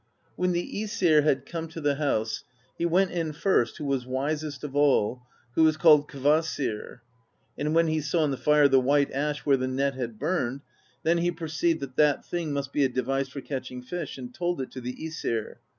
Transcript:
"When the^Esir had come to the house, he went in first who was wisest of all, who is called Kvasir; and when he saw in the fire the white ash where the net had burned, then he perceived that that thing must be a device for catching fish, and told it to the iEsir.